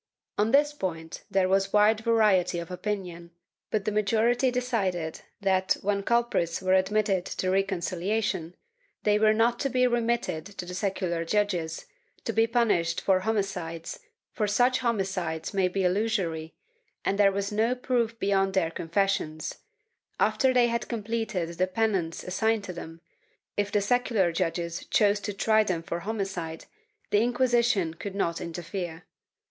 ^ On this point there was wide variety of opinion, but the majority decided that, when culprits were admitted to reconciliation, they were not to be remitted to the secular judges, to be punished for homicides, for such homicides might be illusory, and there was no proof beyond their confessions; after they had completed the penance assigned to them, if the secular judges chose to try them for homicide, the Inquisition could not interfere.